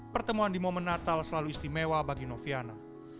pertemuan di momen natal selalu istimewa bagi noviana